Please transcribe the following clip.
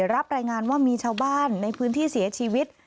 รับรายงานว่ามีชาวบ้านในพื้นที่เสียชีวิต